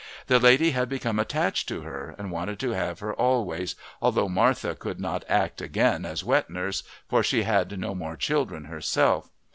The lady had become attached to her and wanted to have her always, although Martha could not act again as wet nurse, for she had no more children herself.